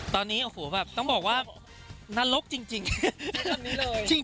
ตอนนี้ต้องบอกว่านรกจริง